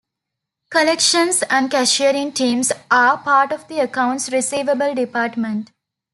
Collections and cashiering teams are part of the accounts receivable department.